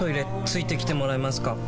付いてきてもらえますか？